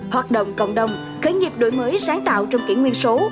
hoạt động cộng đồng khởi nghiệp đổi mới sáng tạo trong kiện nguyên số